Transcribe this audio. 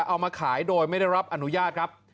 เอามาขายโดยไม่ได้รับอนุญาตครับ